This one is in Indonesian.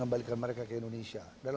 kembalikan mereka ke indonesia